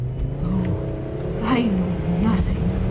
"Oh, I know nothing!"